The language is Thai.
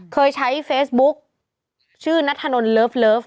เคยใช้เฟสบุ๊กชื่อณธนลเลิฟเลิฟ